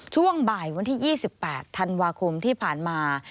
ช่วงบ่ายวันที่๒๘ธันวาคมที่ผ่านมา